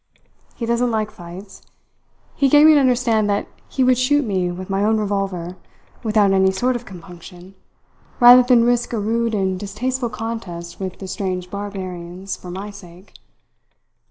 He doesn't like fights. He gave me to understand that he would shoot me with my own revolver without any sort of compunction, rather than risk a rude and distasteful contest with the strange barbarians for my sake.